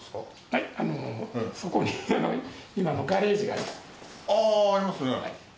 はいあのあありますね。